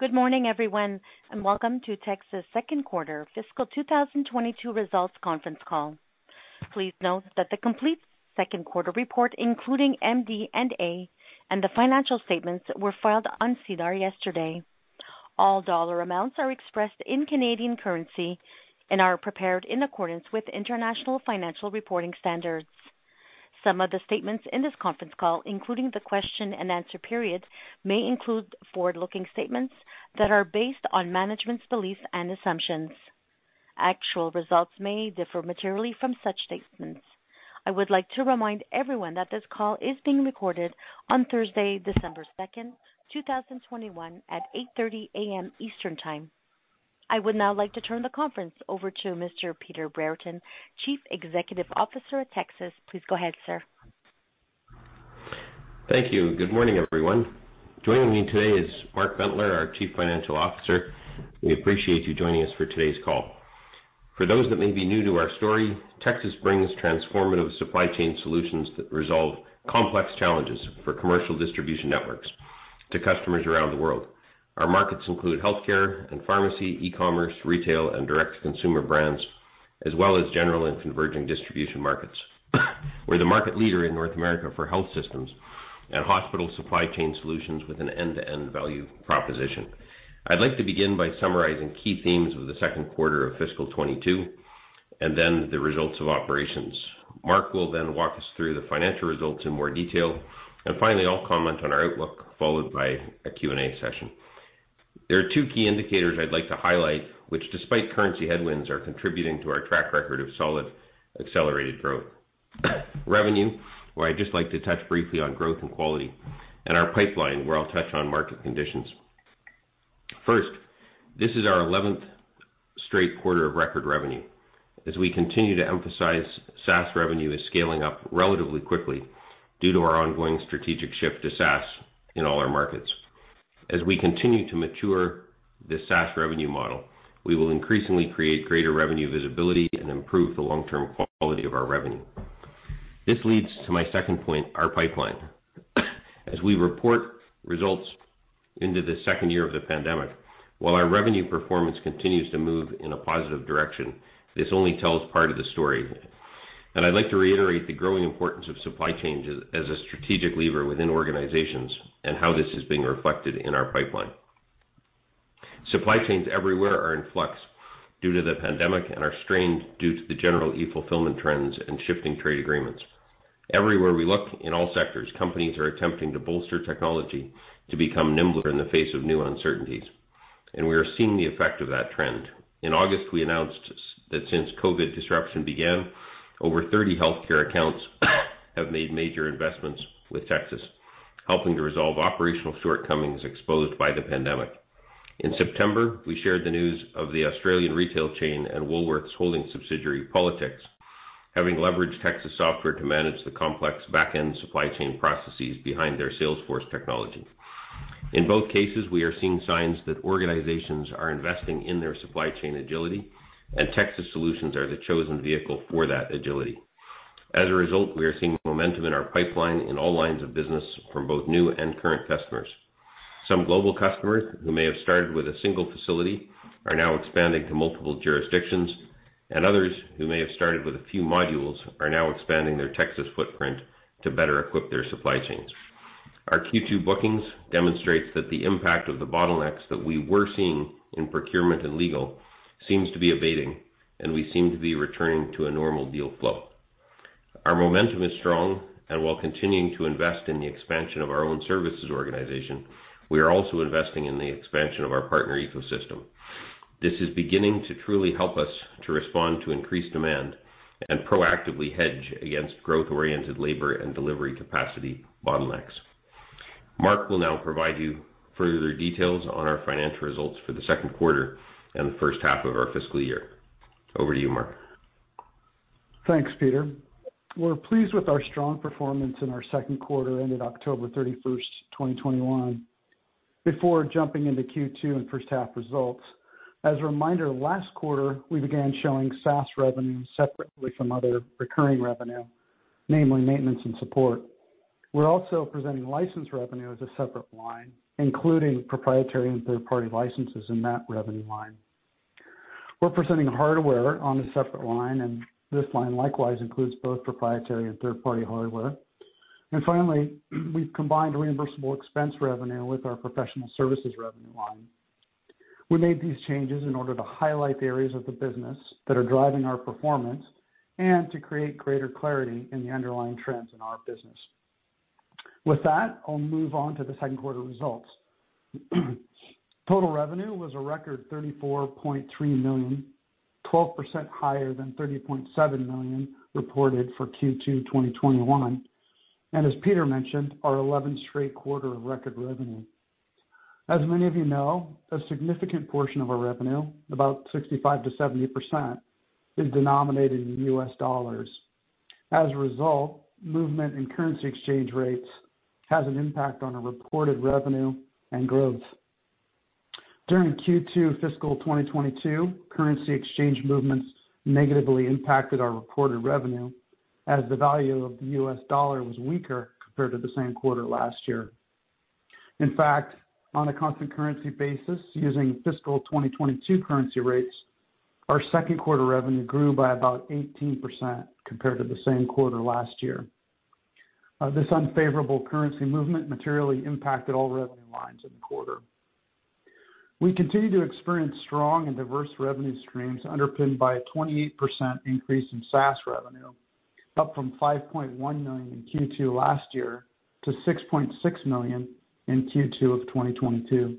Good morning, everyone, and welcome to Tecsys Second Quarter Fiscal 2022 Results Conference Call. Please note that the complete second quarter report, including MD&A and the financial statements, were filed on SEDAR yesterday. All dollar amounts are expressed in Canadian currency and are prepared in accordance with International Financial Reporting Standards. Some of the statements in this conference call, including the question and answer period, may include forward-looking statements that are based on management's beliefs and assumptions. Actual results may differ materially from such statements. I would like to remind everyone that this call is being recorded on Thursday, December 2, 2021 at 8 A.M. Eastern Time. I would now like to turn the conference over to Mr. Peter Brereton, Chief Executive Officer of Tecsys. Please go ahead, sir. Thank you. Good morning, everyone. Joining me today is Mark Bentler, our Chief Financial Officer. We appreciate you joining us for today's call. For those that may be new to our story, Tecsys brings transformative supply chain solutions that resolve complex challenges for commercial distribution networks to customers around the world. Our markets include healthcare and pharmacy, e-commerce, retail, and direct-to-consumer brands, as well as general and converging distribution markets. We're the market leader in North America for health systems and hospital supply chain solutions with an end-to-end value proposition. I'd like to begin by summarizing key themes of the second quarter of fiscal 2022, and then the results of operations. Mark will then walk us through the financial results in more detail, and finally, I'll comment on our outlook, followed by a Q&A session. There are two key indicators I'd like to highlight, which despite currency headwinds, are contributing to our track record of solid accelerated growth. Revenue, where I'd just like to touch briefly on growth and quality, and our pipeline, where I'll touch on market conditions. First, this is our 11th straight quarter of record revenue, as we continue to emphasize SaaS revenue is scaling up relatively quickly due to our ongoing strategic shift to SaaS in all our markets. As we continue to mature the SaaS revenue model, we will increasingly create greater revenue visibility and improve the long-term quality of our revenue. This leads to my second point, our pipeline. As we report results into the second year of the pandemic, while our revenue performance continues to move in a positive direction, this only tells part of the story. I'd like to reiterate the growing importance of supply chain as a strategic lever within organizations and how this is being reflected in our pipeline. Supply chains everywhere are in flux due to the pandemic and are strained due to the general e-fulfillment trends and shifting trade agreements. Everywhere we look in all sectors, companies are attempting to bolster technology to become nimbler in the face of new uncertainties, and we are seeing the effect of that trend. In August, we announced that since COVID-19 disruption began, over 30 healthcare accounts have made major investments with Tecsys, helping to resolve operational shortcomings exposed by the pandemic. In September, we shared the news of the Australian retail chain and Woolworths Holdings subsidiary, Politix, having leveraged Tecsys software to manage the complex back-end supply chain processes behind their Salesforce technology. In both cases, we are seeing signs that organizations are investing in their supply chain agility, and Tecsys solutions are the chosen vehicle for that agility. As a result, we are seeing momentum in our pipeline in all lines of business from both new and current customers. Some global customers who may have started with a single facility are now expanding to multiple jurisdictions, and others who may have started with a few modules are now expanding their Tecsys footprint to better equip their supply chains. Our Q2 bookings demonstrate that the impact of the bottlenecks that we were seeing in procurement and legal seems to be abating, and we seem to be returning to a normal deal flow. Our momentum is strong, and while continuing to invest in the expansion of our own services organization, we are also investing in the expansion of our partner ecosystem. This is beginning to truly help us to respond to increased demand and proactively hedge against growth-oriented labor and delivery capacity bottlenecks. Mark will now provide you further details on our financial results for the second quarter and the first half of our fiscal year. Over to you, Mark. Thanks, Peter. We're pleased with our strong performance in our second quarter ended October 31, 2021. Before jumping into Q2 and first half results, as a reminder, last quarter, we began showing SaaS revenue separately from other recurring revenue, namely maintenance and support. We're also presenting license revenue as a separate line, including proprietary and third-party licenses in that revenue line. We're presenting hardware on a separate line, and this line likewise includes both proprietary and third-party hardware. Finally, we've combined reimbursable expense revenue with our professional services revenue line. We made these changes in order to highlight the areas of the business that are driving our performance and to create greater clarity in the underlying trends in our business. With that, I'll move on to the second quarter results. Total revenue was a record 34.3 million, 12% higher than 30.7 million reported for Q2 2021, and as Peter mentioned, our 11th straight quarter of record revenue. As many of you know, a significant portion of our revenue, about 65%-70%, is denominated in U.S. dollars. As a result, movement in currency exchange rates has an impact on our reported revenue and growth. During Q2 fiscal 2022, currency exchange movements negatively impacted our reported revenue as the value of the U.S. dollar was weaker compared to the same quarter last year. In fact, on a constant currency basis using fiscal 2022 currency rates, our second quarter revenue grew by about 18% compared to the same quarter last year. This unfavorable currency movement materially impacted all revenue lines in the quarter. We continue to experience strong and diverse revenue streams underpinned by a 28% increase in SaaS revenue, up from 5.1 million in Q2 last year to 6.6 million in Q2 of 2022.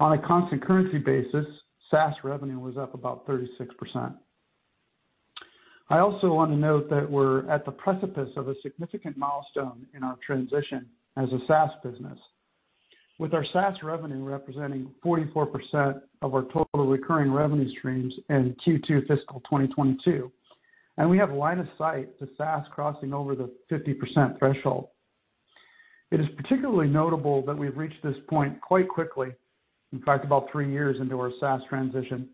On a constant currency basis, SaaS revenue was up about 36%. I also wanna note that we're at the precipice of a significant milestone in our transition as a SaaS business. With our SaaS revenue representing 44% of our total recurring revenue streams in Q2 fiscal 2022, and we have line of sight to SaaS crossing over the 50% threshold. It is particularly notable that we've reached this point quite quickly, in fact, about three years into our SaaS transition.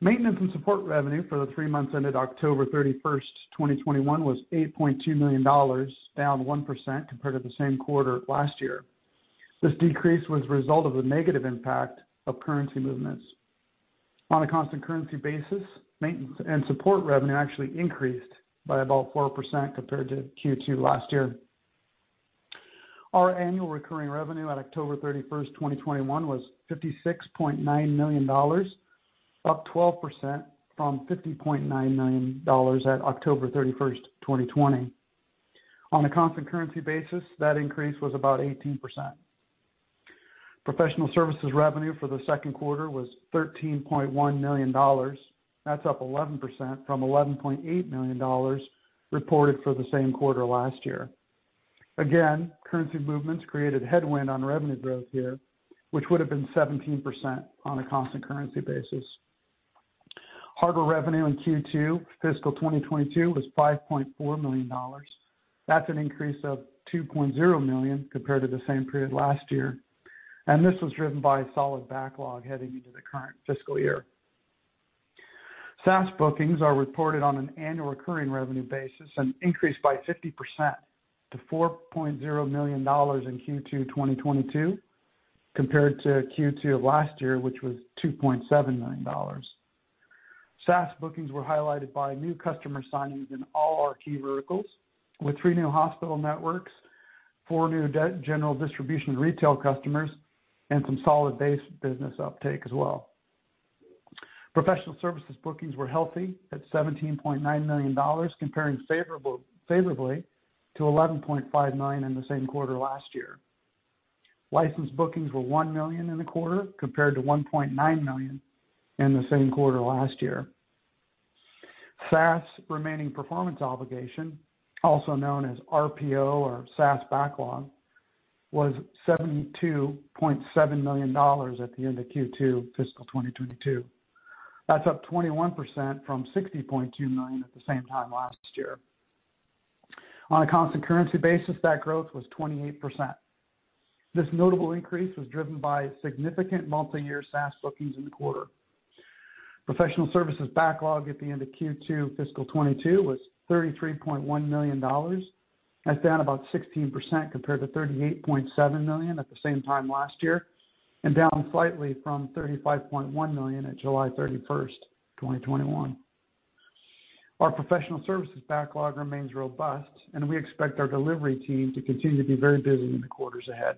Maintenance and support revenue for the three months ended October 31, 2021 was 8.2 million dollars, down 1% compared to the same quarter last year. This decrease was a result of the negative impact of currency movements. On a constant currency basis, maintenance and support revenue actually increased by about 4% compared to Q2 last year. Our annual recurring revenue at October 31, 2021 was 56.9 million dollars, up 12% from 50.9 million dollars at October 31, 2020. On a constant currency basis, that increase was about 18%. Professional services revenue for the second quarter was 13.1 million dollars. That's up 11% from 11.8 million dollars reported for the same quarter last year. Again, currency movements created headwind on revenue growth here, which would have been 17% on a constant currency basis. Hardware revenue in Q2 fiscal 2022 was 5.4 million dollars. That's an increase of 2.0 million compared to the same period last year, and this was driven by solid backlog heading into the current fiscal year. SaaS bookings are reported on an annual recurring revenue basis and increased by 50% to 4.0 million dollars in Q2 2022 compared to Q2 of last year, which was 2.7 million dollars. SaaS bookings were highlighted by new customer signings in all our key verticals with three new hospital networks, four new general distribution retail customers, and some solid base business uptake as well. Professional services bookings were healthy at 17.9 million dollars, comparing favorably to 11.5 million in the same quarter last year. License bookings were 1 million in the quarter compared to 1.9 million in the same quarter last year. SaaS remaining performance obligation, also known as RPO or SaaS backlog, was 72.7 million dollars at the end of Q2 fiscal 2022. That's up 21% from 60.2 million at the same time last year. On a constant currency basis, that growth was 28%. This notable increase was driven by significant multi-year SaaS bookings in the quarter. Professional services backlog at the end of Q2 fiscal 2022 was 33.1 million dollars. That's down about 16% compared to 38.7 million at the same time last year, and down slightly from 35.1 million at July 31, 2021. Our professional services backlog remains robust, and we expect our delivery team to continue to be very busy in the quarters ahead.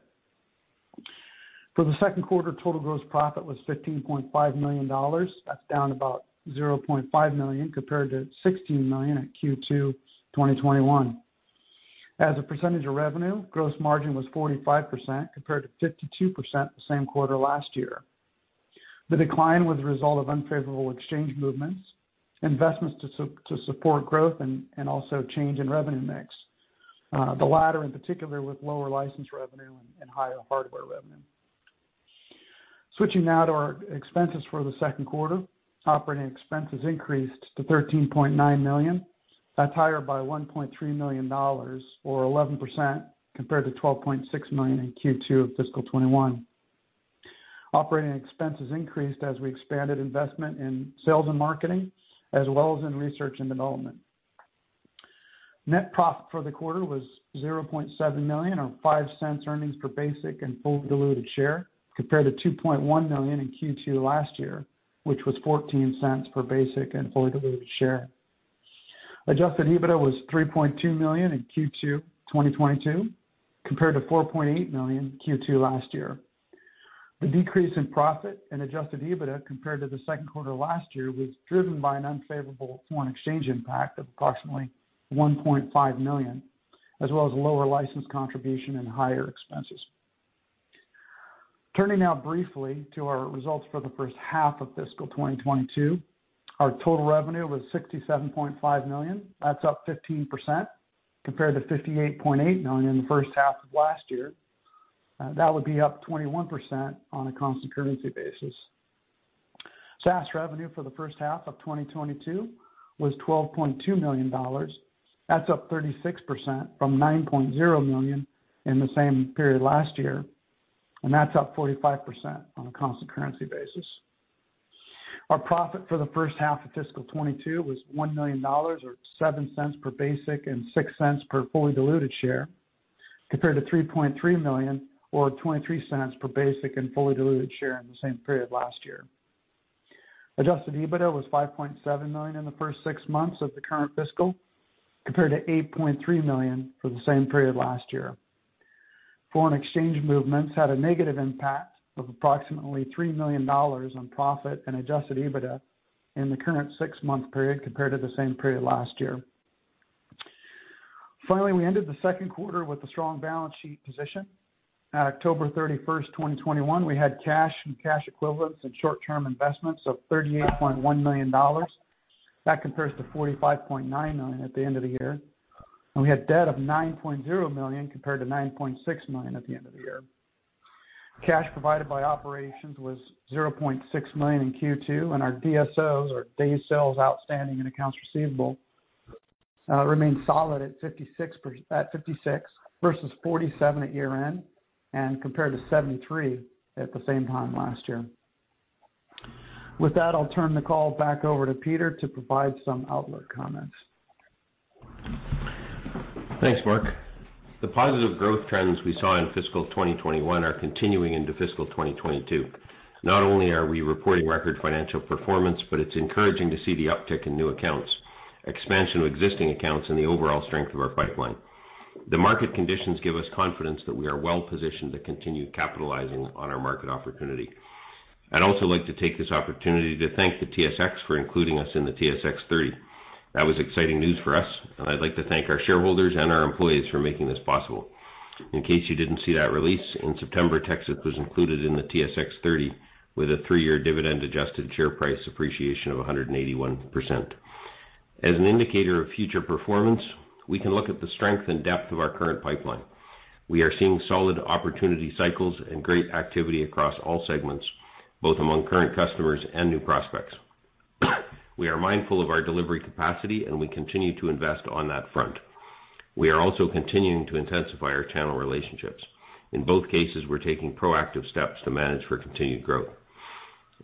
For the second quarter, total gross profit was 15.5 million dollars. That's down about 0.5 million compared to 16 million at Q2 2021. As a percentage of revenue, gross margin was 45% compared to 52% the same quarter last year. The decline was a result of unfavorable exchange movements, investments to support growth and also change in revenue mix. The latter in particular with lower license revenue and higher hardware revenue. Switching now to our expenses for the second quarter. Operating expenses increased to 13.9 million. That's higher by 1.3 million dollars or 11% compared to 12.6 million in Q2 of fiscal 2021. Operating expenses increased as we expanded investment in sales and marketing, as well as in research and development. Net profit for the quarter was 0.7 million or 0.05 earnings per basic and fully diluted share, compared to 2.1 million in Q2 last year, which was 0.14 per basic and fully diluted share. Adjusted EBITDA was 3.2 million in Q2 2022, compared to 4.8 million Q2 last year. The decrease in profit and Adjusted EBITDA compared to the second quarter last year was driven by an unfavorable foreign exchange impact of approximately 1.5 million, as well as lower license contribution and higher expenses. Turning now briefly to our results for the first half of fiscal 2022. Our total revenue was 67.5 million. That's up 15% compared to 58.8 million in the first half of last year. That would be up 21% on a constant currency basis. SaaS revenue for the first half of 2022 was 12.2 million dollars. That's up 36% from 9.0 million in the same period last year, and that's up 45% on a constant currency basis. Our profit for the first half of fiscal 2022 was 1 million dollars or 0.07 per basic and 0.06 per fully diluted share, compared to 3.3 million or 0.23 per basic and fully diluted share in the same period last year. Adjusted EBITDA was 5.7 million in the first six months of the current fiscal, compared to 8.3 million for the same period last year. Foreign exchange movements had a negative impact of approximately 3 million dollars on profit and Adjusted EBITDA in the current six-month period compared to the same period last year. Finally, we ended the second quarter with a strong balance sheet position. At October 31, 2021, we had cash and cash equivalents and short-term investments of 38.1 million dollars. That compares to 45.9 million at the end of the year. We had debt of 9.0 million compared to 9.6 million at the end of the year. Cash provided by operations was 0.6 million in Q2, and our DSOs or Days Sales Outstanding and accounts receivable remained solid at 56 versus 47 at year-end and compared to 73 at the same time last year. With that, I'll turn the call back over to Peter to provide some outlook comments. Thanks, Mark. The positive growth trends we saw in fiscal 2021 are continuing into fiscal 2022. Not only are we reporting record financial performance, but it's encouraging to see the uptick in new accounts, expansion of existing accounts, and the overall strength of our pipeline. The market conditions give us confidence that we are well positioned to continue capitalizing on our market opportunity. I'd also like to take this opportunity to thank the TSX for including us in the TSX30. That was exciting news for us, and I'd like to thank our shareholders and our employees for making this possible. In case you didn't see that release, in September, Tecsys was included in the TSX30 with a three-year dividend adjusted share price appreciation of 181%. As an indicator of future performance, we can look at the strength and depth of our current pipeline. We are seeing solid opportunity cycles and great activity across all segments, both among current customers and new prospects. We are mindful of our delivery capacity, and we continue to invest on that front. We are also continuing to intensify our channel relationships. In both cases, we're taking proactive steps to manage for continued growth.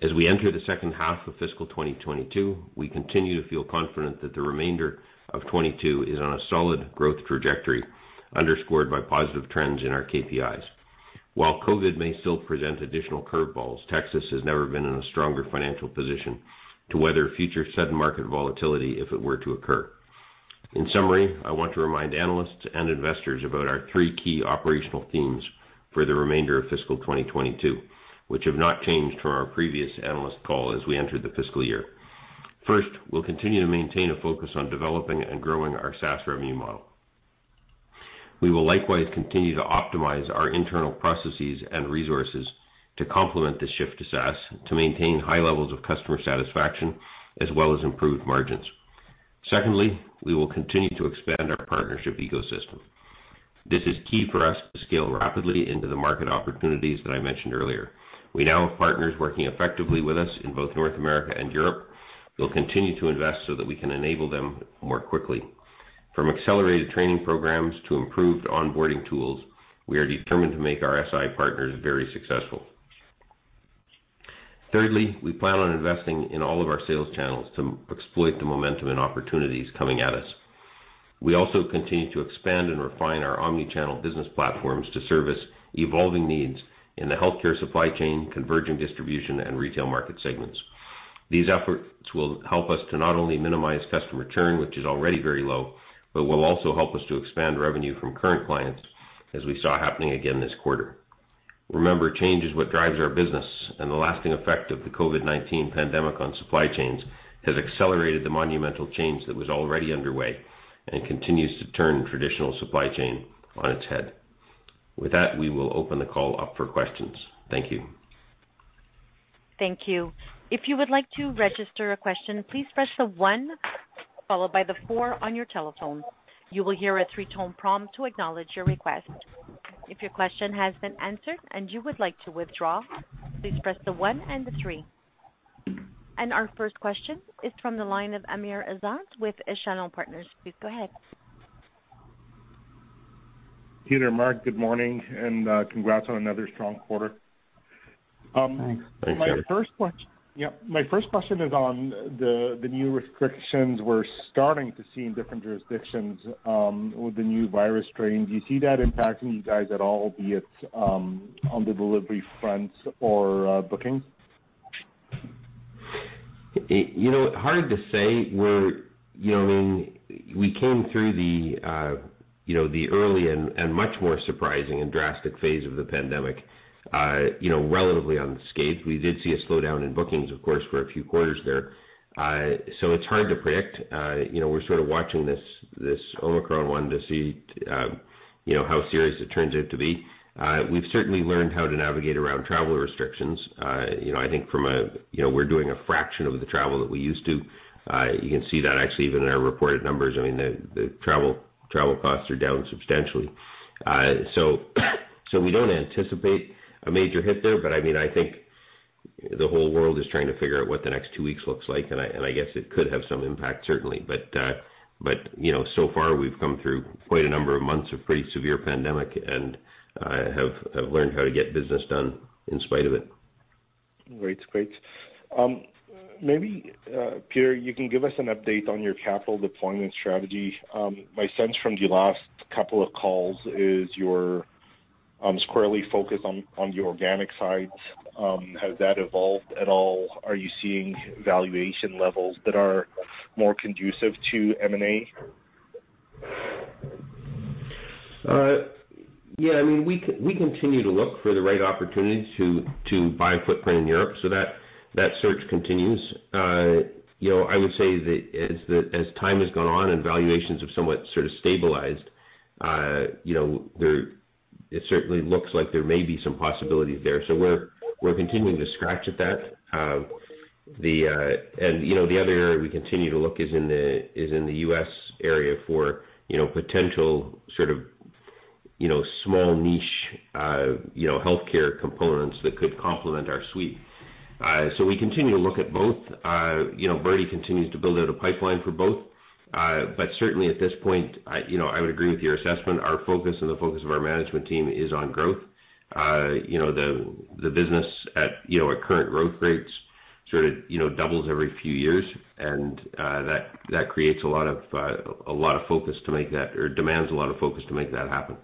As we enter the second half of fiscal 2022, we continue to feel confident that the remainder of 2022 is on a solid growth trajectory underscored by positive trends in our KPIs. While COVID may still present additional curveballs, Tecsys has never been in a stronger financial position to weather future sudden market volatility if it were to occur. In summary, I want to remind analysts and investors about our three key operational themes for the remainder of fiscal 2022, which have not changed from our previous analyst call as we entered the fiscal year. First, we'll continue to maintain a focus on developing and growing our SaaS revenue model. We will likewise continue to optimize our internal processes and resources to complement the shift to SaaS to maintain high levels of customer satisfaction as well as improved margins. Secondly, we will continue to expand our partnership ecosystem. This is key for us to scale rapidly into the market opportunities that I mentioned earlier. We now have partners working effectively with us in both North America and Europe. We'll continue to invest so that we can enable them more quickly. From accelerated training programs to improved onboarding tools, we are determined to make our SI partners very successful. Thirdly, we plan on investing in all of our sales channels to exploit the momentum and opportunities coming at us. We also continue to expand and refine our omni-channel business platforms to service evolving needs in the healthcare supply chain, converging distribution, and retail market segments. These efforts will help us to not only minimize customer churn, which is already very low, but will also help us to expand revenue from current clients as we saw happening again this quarter. Remember, change is what drives our business, and the lasting effect of the COVID-19 pandemic on supply chains has accelerated the monumental change that was already underway and continues to turn traditional supply chain on its head. With that, we will open the call up for questions. Thank you. Thank you. If you would like to register a question, please press 1 followed by 4 on your telephone. You will hear a three-tone prompt to acknowledge your request. If your question has been answered and you would like to withdraw please press 1 and a 3. Our first question is from the line of Amr Ezzat with Echelon Partners. Please go ahead. Peter, Mark, good morning, and congrats on another strong quarter. Thanks. My first question is on the new restrictions we're starting to see in different jurisdictions with the new virus strain. Do you see that impacting you guys at all, be it on the delivery front or bookings? You know, hard to say. You know what I mean? We came through the you know the early and much more surprising and drastic phase of the pandemic, you know, relatively unscathed. We did see a slowdown in bookings, of course, for a few quarters there. It's hard to predict. You know, we're sort of watching this Omicron one to see you know how serious it turns out to be. We've certainly learned how to navigate around travel restrictions. You know, I think from a you know we're doing a fraction of the travel that we used to. You can see that actually even in our reported numbers. I mean, the travel costs are down substantially. We don't anticipate a major hit there, but I mean, I think the whole world is trying to figure out what the next two weeks looks like, and I guess it could have some impact, certainly. You know, so far, we've come through quite a number of months of pretty severe pandemic, and have learned how to get business done in spite of it. Great. Maybe, Peter, you can give us an update on your capital deployment strategy. My sense from the last couple of calls is you're squarely focused on the organic side. Has that evolved at all? Are you seeing valuation levels that are more conducive to M&A? Yeah, I mean, we continue to look for the right opportunities to buy a footprint in Europe, so that search continues. You know, I would say that as time has gone on and valuations have somewhat sort of stabilized, you know, it certainly looks like there may be some possibilities there. We're continuing to scratch at that. The other area we continue to look is in the U.S. area for you know, potential sort of, you know, small niche you know, healthcare components that could complement our suite. We continue to look at both. You know, Bertrand continues to build out a pipeline for both. Certainly at this point, you know, I would agree with your assessment. Our focus and the focus of our management team is on growth. You know, the business at, you know, our current growth rates sort of, you know, doubles every few years and that demands a lot of focus to make that happen.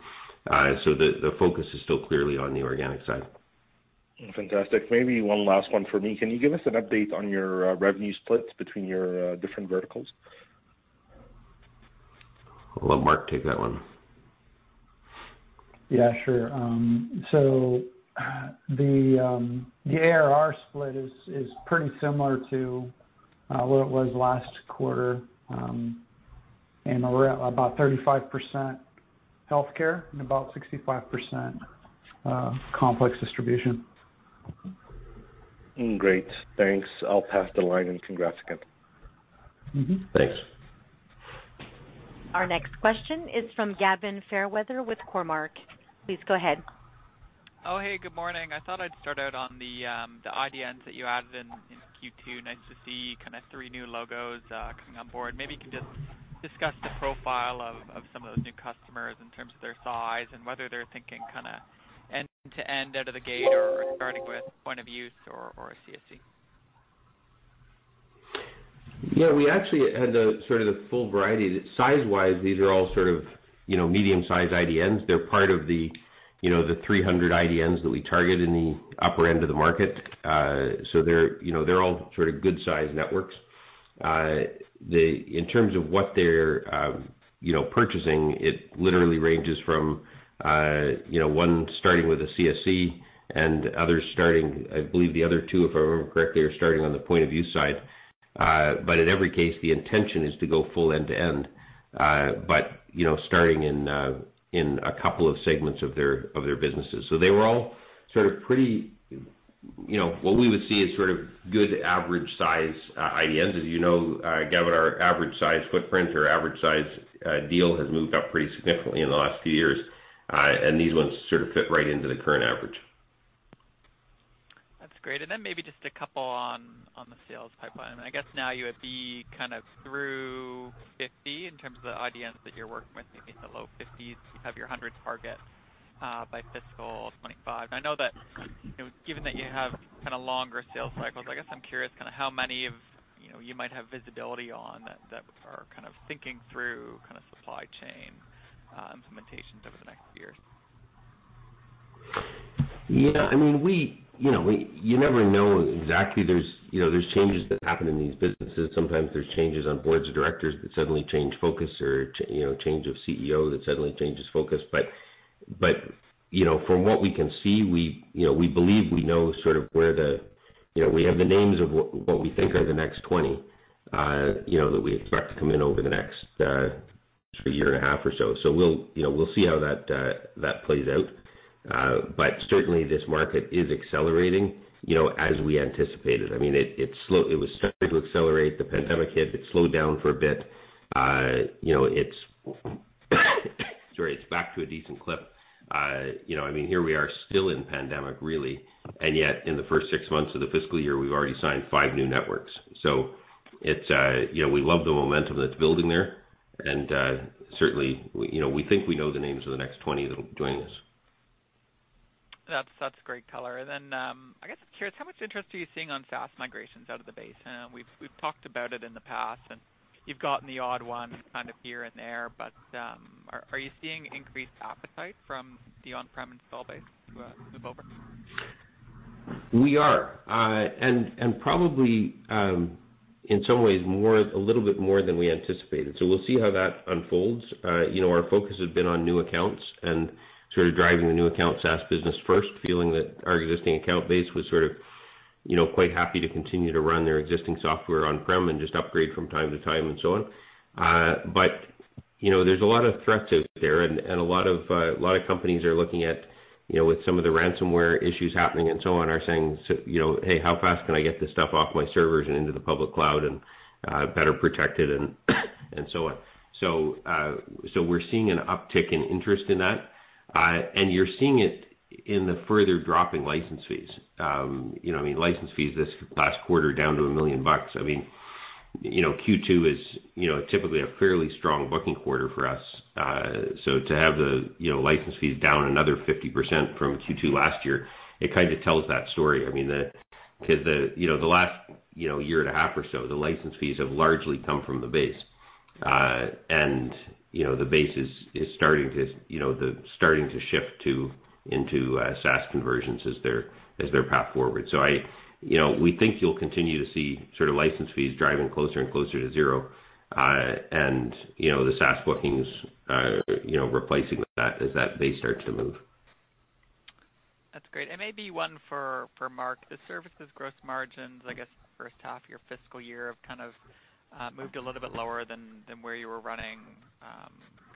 The focus is still clearly on the organic side. Fantastic. Maybe one last one for me. Can you give us an update on your revenue splits between your different verticals? I'll let Mark take that one. Yeah, sure. The ARR split is pretty similar to what it was last quarter. We're at about 35% healthcare and about 65% complex distribution. Great. Thanks. I'll pass the line, and congrats again. Thanks. Our next question is from Gavin Fairweather with Cormark Securities. Please go ahead. Oh, hey, good morning. I thought I'd start out on the IDNs that you added in Q2. Nice to see kinda three new logos coming on board. Maybe you can just discuss the profile of some of those new customers in terms of their size and whether they're thinking kinda end-to-end out of the gate or starting with point of views or a CSE. Yeah, we actually had a sort of the full variety. Size-wise, these are all sort of, you know, medium-sized IDNs. They're part of the, you know, the 300 IDNs that we target in the upper end of the market. So they're, you know, they're all sort of good size networks. In terms of what they're, you know, purchasing, it literally ranges from, you know, one starting with a CSE and others starting, I believe the other two, if I remember correctly, are starting on the point-of-use side. But in every case, the intention is to go full end-to-end, but, you know, starting in a couple of segments of their businesses. They were all sort of pretty, you know, what we would see as sort of good average size IDNs. As you know, Gavin, our average size footprint or average size deal has moved up pretty significantly in the last few years, and these ones sort of fit right into the current average. That's great. Then maybe just a couple on the sales pipeline. I guess now you would be kind of through 50 in terms of the IDNs that you're working with, maybe in the low 50s. You have your hundreds target by fiscal 2025. I know that, you know, given that you have kinda longer sales cycles, I guess I'm curious kinda how many of, you know, you might have visibility on that are kind of thinking through kinda supply chain implementations over the next few years. Yeah, I mean, you never know exactly. There's you know, there's changes that happen in these businesses. Sometimes there's changes on boards of directors that suddenly change focus or change of CEO that suddenly changes focus. But you know, from what we can see, we believe we know sort of where the you know, we have the names of what we think are the next 20 that we expect to come in over the next sort of year and a half or so. So we'll see how that plays out. But certainly, this market is accelerating you know, as we anticipated. I mean, it was starting to accelerate. The pandemic hit. It slowed down for a bit. You know, it's back to a decent clip. You know, I mean, here we are still in pandemic, really, and yet in the first six months of the fiscal year, we've already signed five new networks. You know, we love the momentum that's building there. Certainly, we, you know, we think we know the names of the next 20 that'll be joining us. That's great color. I guess I'm curious, how much interest are you seeing on SaaS migrations out of the base? We've talked about it in the past, and you've gotten the odd one kind of here and there, but are you seeing increased appetite from the on-prem install base to move over? We are. And probably, in some ways, more, a little bit more than we anticipated. We'll see how that unfolds. You know, our focus has been on new accounts and sort of driving the new account SaaS business first, feeling that our existing account base was sort of, you know, quite happy to continue to run their existing software on-prem and just upgrade from time to time and so on. You know, there's a lot of threats out there and a lot of companies are looking at, you know, with some of the ransomware issues happening and so on, are saying you know, "Hey, how fast can I get this stuff off my servers and into the public cloud and better protect it and so on. We're seeing an uptick in interest in that. You're seeing it in the further dropping license fees. You know, I mean, license fees this last quarter down to $1 million. I mean, you know, Q2 is typically a fairly strong booking quarter for us. To have the, you know, license fees down another 50% from Q2 last year, it kinda tells that story. I mean, you know, the last year and a half or so, the license fees have largely come from the base. You know, the base is starting to shift into SaaS conversions as their path forward. You know, we think you'll continue to see sort of license fees driving closer and closer to zero. You know, the SaaS bookings are, you know, replacing that as that base starts to move. That's great. Maybe one for Mark. The services gross margins, I guess, the first half of your fiscal year have kind of moved a little bit lower than where you were running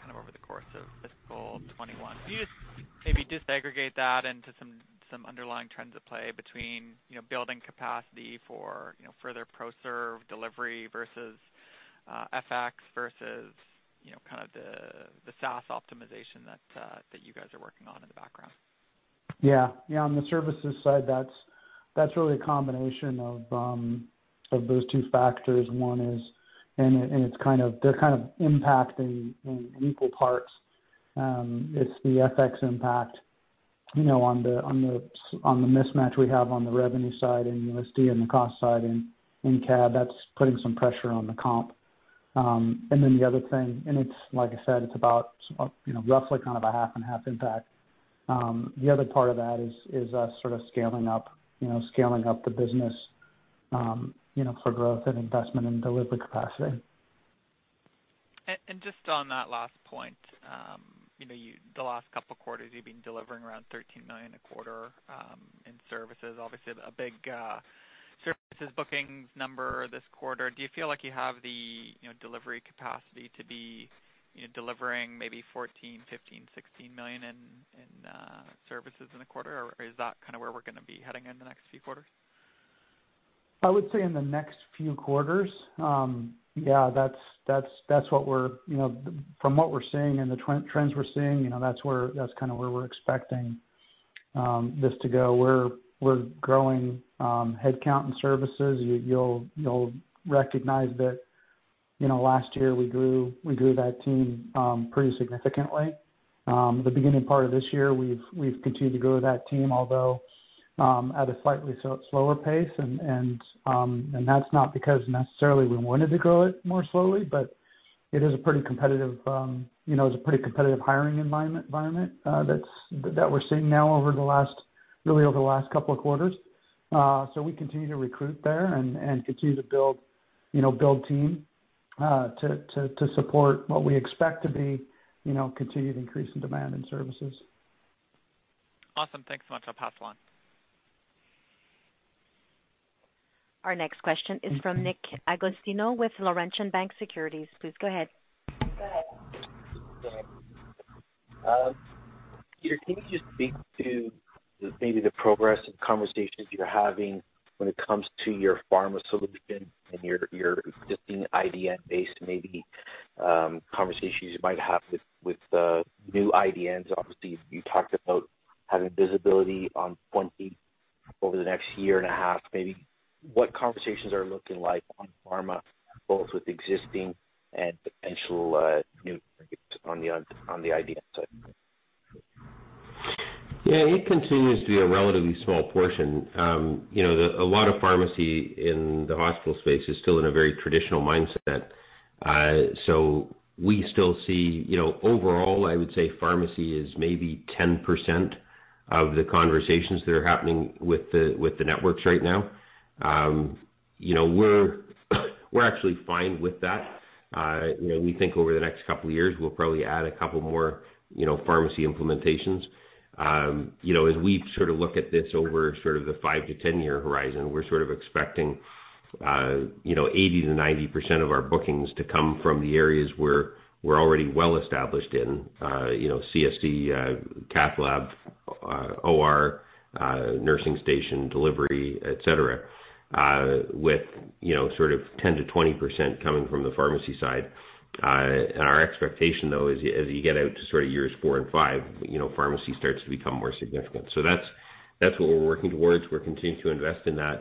kind of over the course of fiscal 2021. Can you just maybe disaggregate that into some underlying trends at play between you know building capacity for you know further ProServe delivery versus FX versus you know kind of the SaaS optimization that you guys are working on in the background? Yeah. Yeah, on the services side, that's really a combination of those two factors. They're kind of impacting in equal parts. It's the FX impact, you know, on the mismatch we have on the revenue side in USD and the cost side in CAD. That's putting some pressure on the comp. The other thing, it's like I said, it's about, you know, roughly kind of a half and half impact. The other part of that is us sort of scaling up the business, you know, for growth and investment and delivery capacity. Just on that last point, the last couple quarters you've been delivering around 13 million a quarter in services. Obviously a big services bookings number this quarter. Do you feel like you have the delivery capacity to be delivering maybe 14 million, 15 million, 16 million in services in a quarter or is that kinda where we're gonna be heading in the next few quarters? I would say in the next few quarters, yeah. You know, from what we're seeing and the trends we're seeing, you know, that's kinda where we're expecting this to go. We're growing head count in services. You'll recognize that, you know, last year we grew that team pretty significantly. The beginning part of this year, we've continued to grow that team, although at a slightly slower pace. That's not because necessarily we wanted to grow it more slowly, but it is a pretty competitive hiring environment, you know, that we're seeing now over the last, really over the last couple of quarters. We continue to recruit there and continue to build you know, team to support what we expect to be you know, continued increase in demand in services. Awesome. Thanks so much. I'll pass along. Our next question is from Nick Agostino with Laurentian Bank Securities. Please go ahead. Go ahead. Peter, can you just speak to maybe the progress and conversations you're having when it comes to your pharma solution and your existing IDN base, maybe conversations you might have with the new IDNs? Obviously, you talked about having visibility on 20 over the next year and a half, maybe what conversations are looking like on pharma, both with existing and potential new targets on the IDN side? Yeah, it continues to be a relatively small portion. You know, a lot of pharmacy in the hospital space is still in a very traditional mindset. So we still see, you know, overall, I would say pharmacy is maybe 10% of the conversations that are happening with the networks right now. You know, we're actually fine with that. You know, we think over the next couple of years, we'll probably add a couple more, you know, pharmacy implementations. You know, as we sort of look at this over sort of the 5-10-year horizon, we're sort of expecting, you know, 80%-90% of our bookings to come from the areas where we're already well established in. You know, CSD, cath lab, OR, nursing station, delivery, et cetera, with, you know, sort of 10%-20% coming from the pharmacy side. Our expectation, though, is, as you get out to sort of years four and five, you know, pharmacy starts to become more significant. That's what we're working towards. We're continuing to invest in that.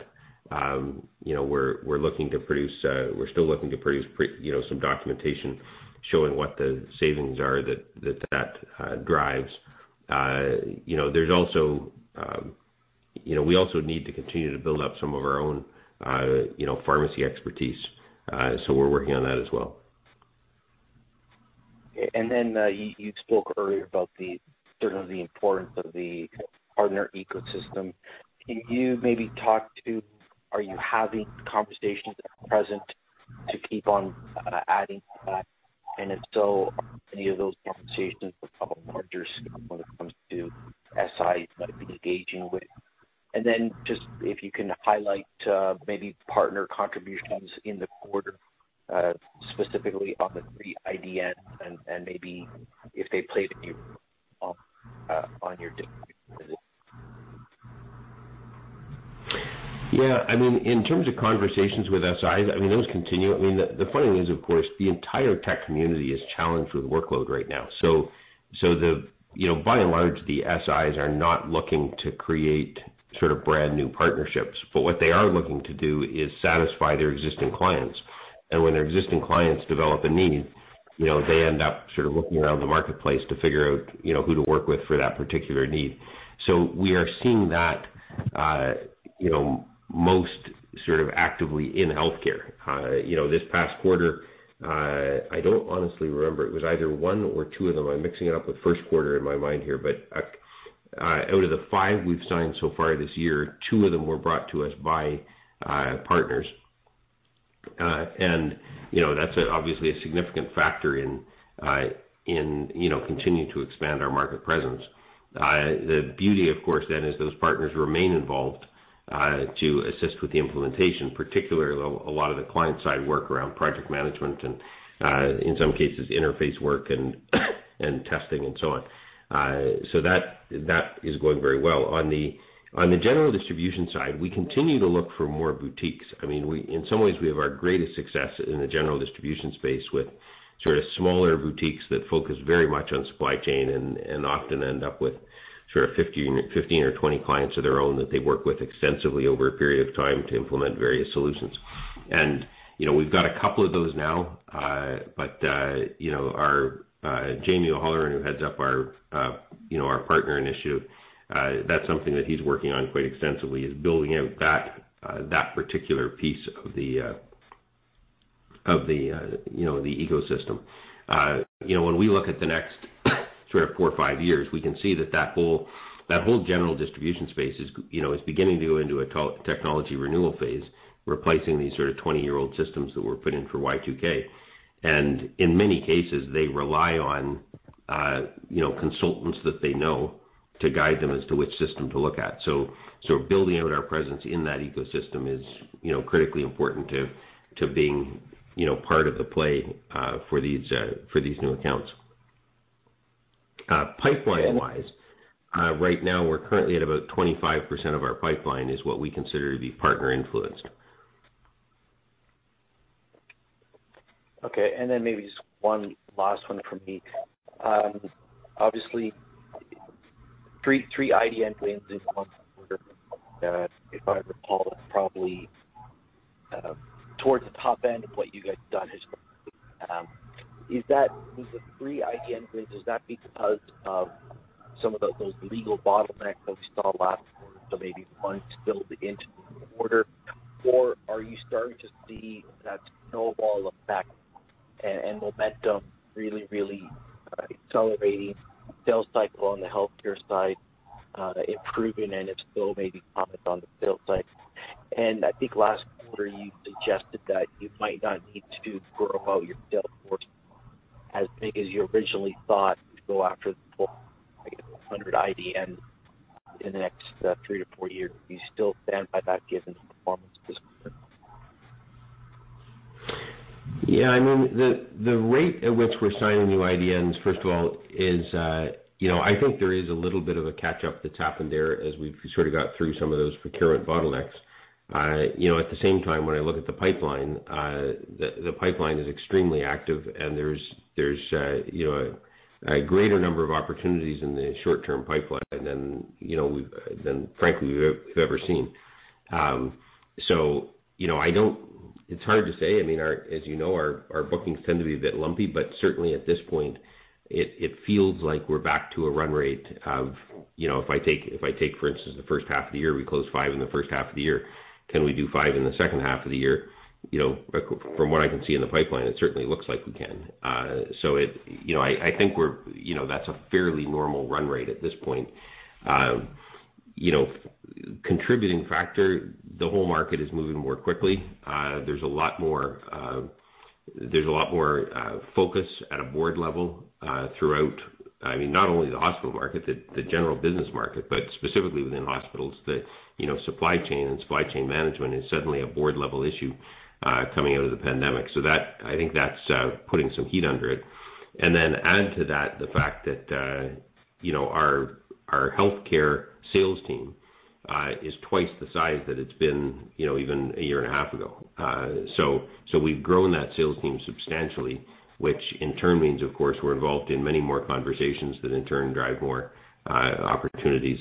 You know, we're looking to produce some documentation showing what the savings are that drives. You know, there's also, you know, we also need to continue to build up some of our own, you know, pharmacy expertise. We're working on that as well. You spoke earlier about the sort of the importance of the partner ecosystem. Can you maybe talk to are you having conversations at present to keep on adding to that? And if so, are any of those conversations of a larger scale when it comes to SIs that you're engaging with? Just if you can highlight maybe partner contributions in the quarter, specifically on the three IDNs and maybe if they played any role on your distribution business. Yeah. I mean, in terms of conversations with SIs, I mean, those continue. I mean, the funny thing is of course, the entire tech community is challenged with workload right now. So the, you know, by and large, the SIs are not looking to create sort of brand new partnerships, but what they are looking to do is satisfy their existing clients. When their existing clients develop a need, you know, they end up sort of looking around the marketplace to figure out, you know, who to work with for that particular need. So we are seeing that, you know, most sort of actively in healthcare. You know, this past quarter, I don't honestly remember. It was either one or two of them. I'm mixing it up with first quarter in my mind here, but out of the five we've signed so far this year, two of them were brought to us by partners. You know, that's obviously a significant factor in continuing to expand our market presence. The beauty, of course then, is those partners remain involved to assist with the implementation, particularly a lot of the client-side work around project management and in some cases, interface work and testing and so on. That is going very well. On the general distribution side, we continue to look for more boutiques. I mean, in some ways, we have our greatest success in the general distribution space with sort of smaller boutiques that focus very much on supply chain and often end up with sort of 15 or 20 clients of their own that they work with extensively over a period of time to implement various solutions. You know, we've got a couple of those now. You know, our Jamie O'Halloran, who heads up our, you know, our partner initiative, that's something that he's working on quite extensively, is building out that particular piece of the, you know, the ecosystem. You know, when we look at the next sort of four or five years, we can see that that whole general distribution space is, you know, beginning to go into a technology renewal phase, replacing these sort of 20-year-old systems that were put in for Y2K. In many cases, they rely on, you know, consultants that they know to guide them as to which system to look at. Building out our presence in that ecosystem is, you know, critically important to being, you know, part of the play for these new accounts. Pipeline-wise, right now we're currently at about 25% of our pipeline is what we consider to be partner influenced. Okay. Maybe just one last one from me. Obviously, three IDN wins this quarter, if I recall, probably towards the top end of what you guys have done historically. These are three IDN wins. Is that because of some of those legal bottlenecks that we saw last quarter, so maybe months built into the order? Or are you starting to see that snowball effect and momentum really accelerating sales cycle on the healthcare side improving, and if so, maybe comment on the sales cycle. I think last quarter you suggested that you might not need to grow out your sales force as big as you originally thought to go after the full, I guess, 100 IDN in the next 3-4 years. Do you still stand by that given the performance this quarter? Yeah, I mean, the rate at which we're signing new IDNs, first of all is, you know, I think there is a little bit of a catch-up that's happened there as we've sort of got through some of those procurement bottlenecks. You know, at the same time, when I look at the pipeline, the pipeline is extremely active and there's you know a greater number of opportunities in the short term pipeline than you know than frankly we've ever seen. I don't. It's hard to say. I mean, as you know, our bookings tend to be a bit lumpy, but certainly at this point, it feels like we're back to a run rate of, you know, if I take, for instance, the first half of the year, we closed five in the first half of the year. Can we do five in the second half of the year? You know, from what I can see in the pipeline, it certainly looks like we can. So it feels like that's a fairly normal run rate at this point. You know, contributing factor, the whole market is moving more quickly. There's a lot more focus at a board level throughout, I mean, not only the hospital market, the general business market, but specifically within hospitals. You know, supply chain management is suddenly a board level issue coming out of the pandemic. So that, I think that's putting some heat under it. Then add to that the fact that, you know, our healthcare sales team is twice the size that it's been, you know, even a year and a half ago. So we've grown that sales team substantially, which in turn means, of course, we're involved in many more conversations that in turn drive more opportunities,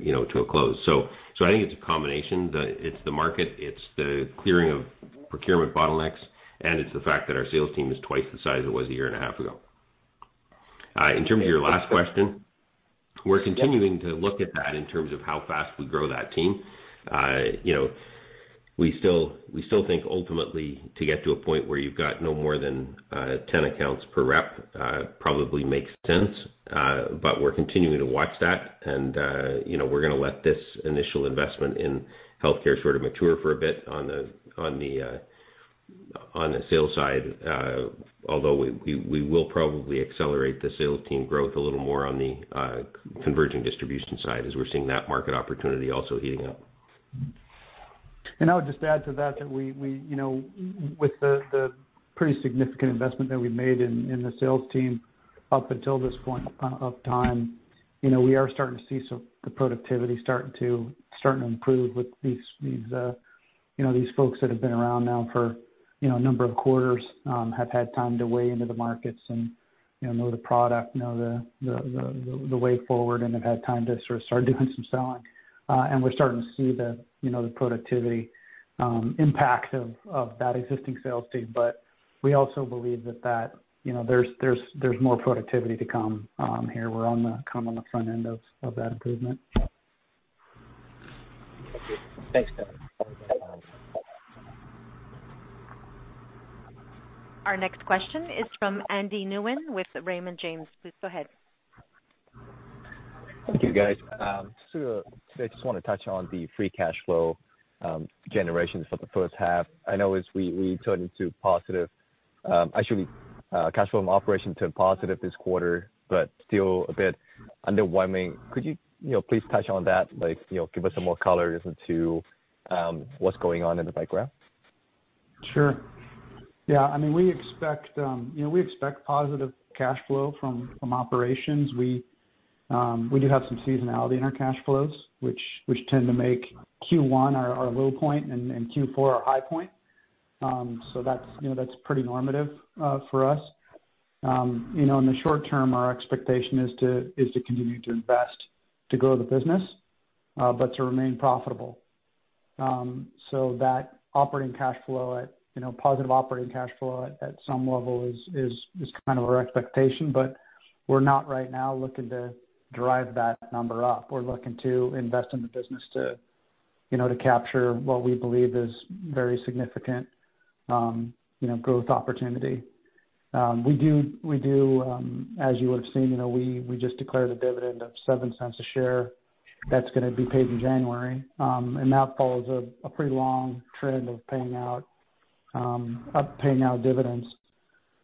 you know, to a close. So I think it's a combination. It's the market, it's the clearing of procurement bottlenecks, and it's the fact that our sales team is twice the size it was a year and a half ago. In terms of your last question, we're continuing to look at that in terms of how fast we grow that team. You know, we still think ultimately to get to a point where you've got no more than 10 accounts per rep, probably makes sense. But we're continuing to watch that and, you know, we're gonna let this initial investment in healthcare sort of mature for a bit on the sales side. Although we will probably accelerate the sales team growth a little more on the converging distribution side as we're seeing that market opportunity also heating up. I would just add to that we, you know, with the pretty significant investment that we made in the sales team up until this point of time, you know, we are starting to see some of the productivity starting to improve with these, you know, these folks that have been around now for, you know, a number of quarters, have had time to way into the markets and, you know the product, know the way forward, and have had time to sort of start doing some selling. We're starting to see the, you know, the productivity impact of that existing sales team. We also believe that, you know, there's more productivity to come here. We're kind of on the front end of that improvement. Thanks, guys. Our next question is from Andy Nguyen with Raymond James. Please go ahead. Thank you, guys. Today, I just wanna touch on the free cash flow generations for the first half. I know as we turned into positive, actually, cash flow from operations turned positive this quarter, but still a bit underwhelming. Could you know, please touch on that? Like, you know, give us some more color as to what's going on in the background. Sure. Yeah. I mean, we expect, you know, we expect positive cash flow from operations. We do have some seasonality in our cash flows, which tend to make Q1 our low point and Q4 our high point. That's, you know, that's pretty normative for us. You know, in the short term, our expectation is to continue to invest to grow the business, but to remain profitable. That operating cash flow, you know, positive operating cash flow at some level is kind of our expectation, but we're not right now looking to drive that number up. We're looking to invest in the business to, you know, to capture what we believe is very significant, you know, growth opportunity. We do, as you would've seen, you know, we just declared a dividend of 0.07 per share that's gonna be paid in January. That follows a pretty long trend of paying out dividends,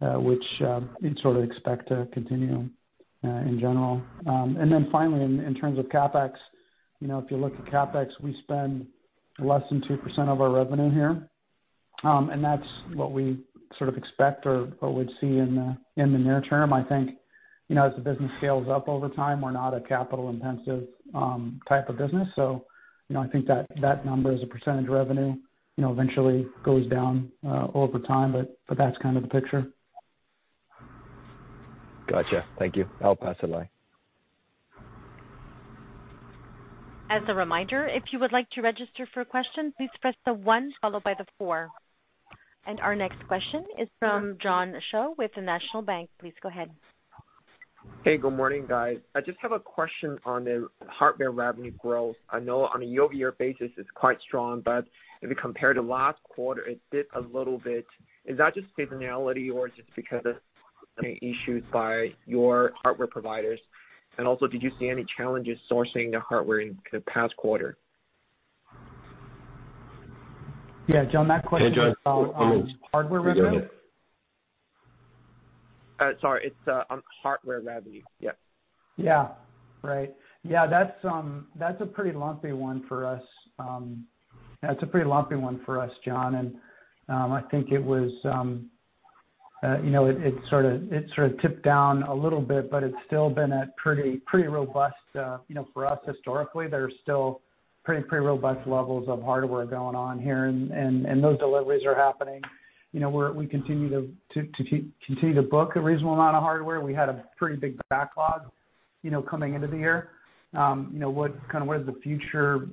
which you'd sort of expect to continue in general. Then finally, in terms of CapEx, you know, if you look at CapEx, we spend less than 2% of our revenue here. That's what we sort of expect or what we'd see in the near term. I think, you know, as the business scales up over time, we're not a capital-intensive type of business, so, you know, I think that number as a percentage of revenue, you know, eventually goes down over time. That's kind of the picture. Gotcha. Thank you. I'll pass it along. As a reminder, if you would like to register for a question, please press the 1 followed by the 4. Our next question is from John Shao with National Bank Financial. Please go ahead. Hey, good morning, guys. I just have a question on the hardware revenue growth. I know on a year-over-year basis it's quite strong, but if you compare to last quarter, it dipped a little bit. Is that just seasonality or just because of issues by your hardware providers? Did you see any challenges sourcing the hardware in the past quarter? Yeah. John, that question is on- Hey, John. - hardware revenue? Sorry, it's on hardware revenue. Yep. Yeah. Right. Yeah. That's a pretty lumpy one for us, John. I think it was, you know, it sort of tipped down a little bit, but it's still been at pretty robust. You know, for us historically, there are still pretty robust levels of hardware going on here. Those deliveries are happening. You know, we continue to book a reasonable amount of hardware. We had a pretty big backlog, you know, coming into the year. You know, kinda what does the future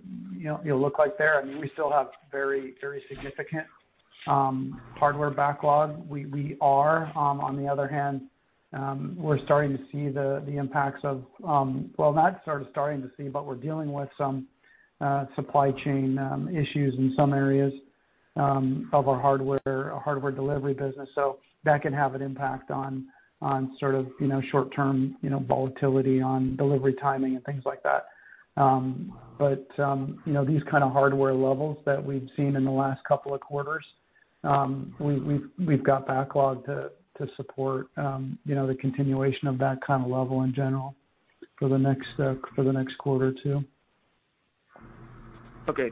look like there? I mean, we still have very significant hardware backlog. We are, on the other hand, we're starting to see the impacts of. Well, not sort of starting to see, but we're dealing with some supply chain issues in some areas of our hardware delivery business. That can have an impact on sort of, you know, short-term, you know, volatility on delivery timing and things like that. You know, these kind of hardware levels that we've seen in the last couple of quarters, we've got backlog to support, you know, the continuation of that kind of level in general for the next quarter or two. Okay,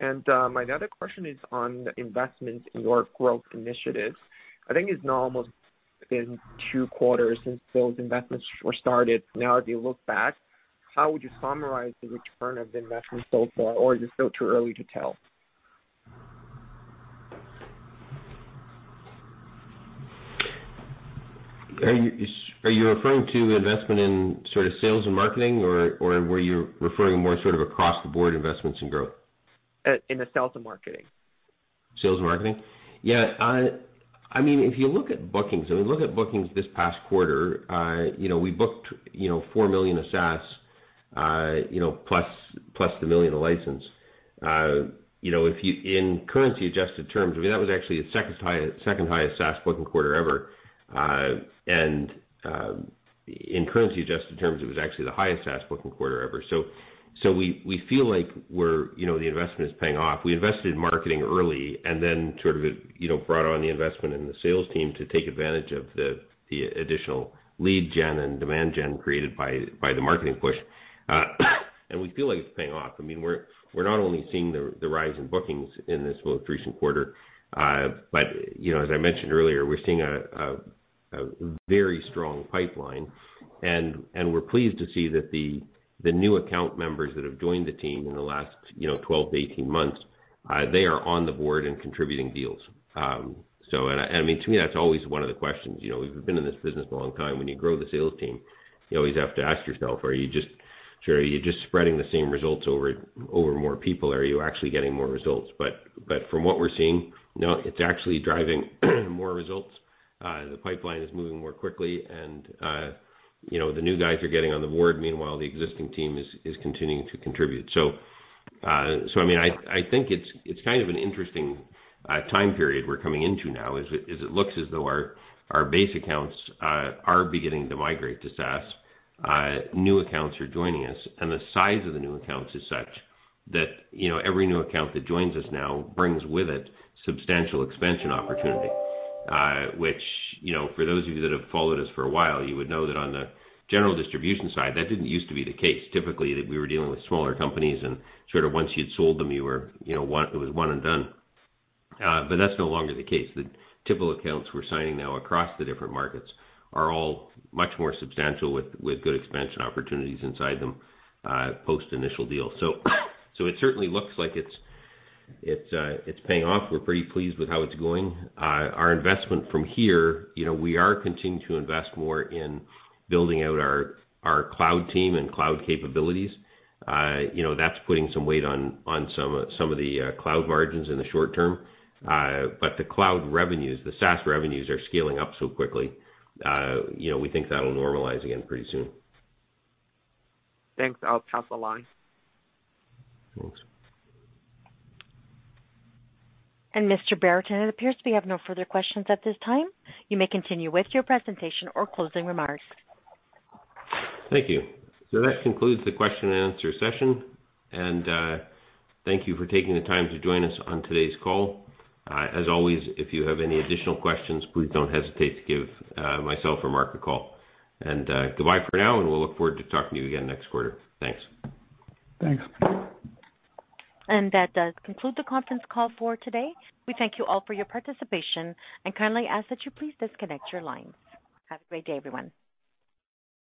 thanks. My other question is on the investment in your growth initiatives. I think it's now almost been two quarters since those investments were started. Now, if you look back, how would you summarize the return on investment so far, or is it still too early to tell? Are you referring to investment in sort of sales and marketing or were you referring more sort of across the board investments in growth? In the sales and marketing. Sales and marketing? Yeah. I mean, if you look at bookings this past quarter, you know, we booked, you know, 4 million of SaaS, you know, plus 1 million of license. If in currency adjusted terms, I mean, that was actually the second highest SaaS booking quarter ever. In currency adjusted terms, it was actually the highest SaaS booking quarter ever. We feel like we're, you know, the investment is paying off. We invested in marketing early and then sort of, you know, brought on the investment in the sales team to take advantage of the additional lead gen and demand gen created by the marketing push. We feel like it's paying off. I mean, we're not only seeing the rise in bookings in this most recent quarter, but you know, as I mentioned earlier, we're seeing a very strong pipeline. We're pleased to see that the new account members that have joined the team in the last 12-18 months, they are on the board and contributing deals. I mean, to me, that's always one of the questions. You know, we've been in this business a long time. When you grow the sales team, you always have to ask yourself, are you just spreading the same results over more people? Are you actually getting more results? From what we're seeing, no, it's actually driving more results. The pipeline is moving more quickly and, you know, the new guys are getting on the board. Meanwhile, the existing team is continuing to contribute. I mean, I think it's kind of an interesting time period we're coming into now as it looks as though our base accounts are beginning to migrate to SaaS. New accounts are joining us, and the size of the new accounts is such that, you know, every new account that joins us now brings with it substantial expansion opportunity. Which, you know, for those of you that have followed us for a while, you would know that on the general distribution side, that didn't used to be the case. Typically, that we were dealing with smaller companies and sort of once you'd sold them, you were, you know, one... It was one and done. That's no longer the case. The typical accounts we're signing now across the different markets are all much more substantial with good expansion opportunities inside them, post initial deal. It certainly looks like it's paying off. We're pretty pleased with how it's going. Our investment from here, you know, we are continuing to invest more in building out our cloud team and cloud capabilities. You know, that's putting some weight on some of the cloud margins in the short term. The cloud revenues, the SaaS revenues are scaling up so quickly, you know, we think that'll normalize again pretty soon. Thanks. I'll pass the line. Thanks. Mr. Brereton, it appears we have no further questions at this time. You may continue with your presentation or closing remarks. Thank you. That concludes the question and answer session. Thank you for taking the time to join us on today's call. As always, if you have any additional questions, please don't hesitate to give myself or Mark a call. Goodbye for now, and we'll look forward to talking to you again next quarter. Thanks. Thanks. That does conclude the conference call for today. We thank you all for your participation and kindly ask that you please disconnect your lines. Have a great day, everyone.